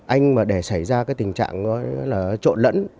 anh mà để xảy ra cái tình trạng là trộn lẫn